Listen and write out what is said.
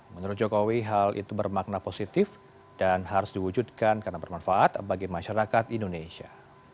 menurut jokowi hal itu bermakna positif dan harus diwujudkan karena bermanfaat bagi masyarakat indonesia